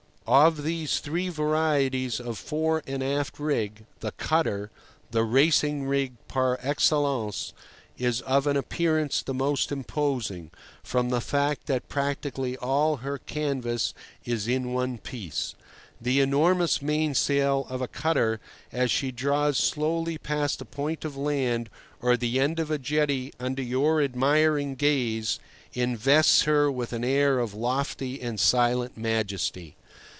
Of those three varieties of fore and aft rig, the cutter—the racing rig par excellence—is of an appearance the most imposing, from the fact that practically all her canvas is in one piece. The enormous mainsail of a cutter, as she draws slowly past a point of land or the end of a jetty under your admiring gaze, invests her with an air of lofty and silent majesty.